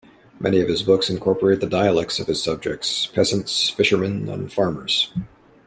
Many of his books incorporate the dialects of his subjects: peasants, fishermen and farmers.